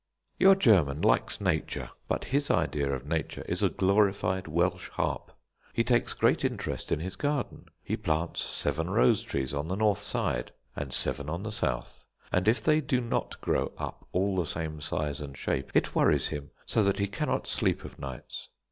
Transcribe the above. Your German likes nature, but his idea of nature is a glorified Welsh Harp. He takes great interest in his garden. He plants seven rose trees on the north side and seven on the south, and if they do not grow up all the same size and shape it worries him so that he cannot sleep of nights.